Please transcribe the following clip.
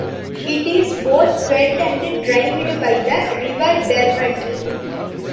It is both fed and drained by the River Derwent.